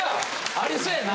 ありそうやな。